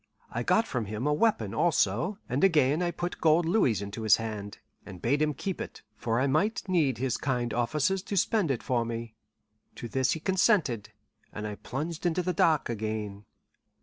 I got from him a weapon, also, and again I put gold louis into his hand, and bade him keep it, for I might need his kind offices to spend it for me. To this he consented, and I plunged into the dark again.